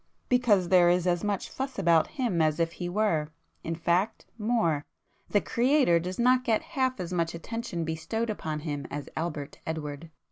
"Because there is as much fuss about him as if he were,—in fact, more. The Creator does not get half as much attention bestowed upon Him as Albert Edward.